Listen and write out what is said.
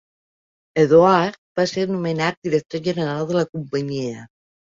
Edouard va ser nomenat director general de la companyia.